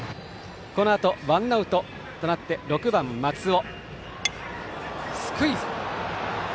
このあとワンアウトとなって６番、松尾がスクイズ。